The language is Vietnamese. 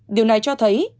điều này cho thấy